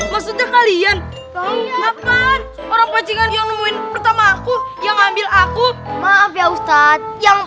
maksudnya kalian orang orang yang ngambil aku maaf ya ustadz yang